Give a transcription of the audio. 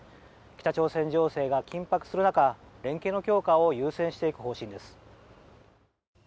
北朝鮮情勢が緊迫する中連携の強化を優先していく方針です。